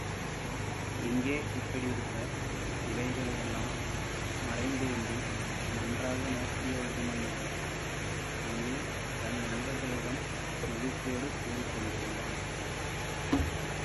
இங்கே இப்படியிருக்க, இவைகளை யெல்லாம் மறைந்திருந்து நன்றாக நோக்கிய உருமண்ணுவா அங்கே தன் நண்பர்களிடம் மகிழ்ச்சியோடு கூறிக் கொண்டிருந்தான்.